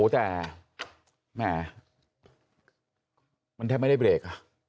แต่แหมมันแทบไม่ได้เบรก